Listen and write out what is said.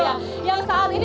yang saat ini menjadi